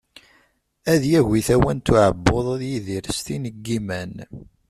Ad yagi tawant n uɛebbuḍ ad yidir s tin n yiman.